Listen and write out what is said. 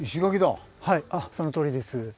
はいそのとおりです。